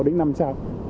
về cái mạng